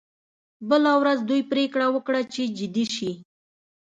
بله ورځ دوی پریکړه وکړه چې جدي شي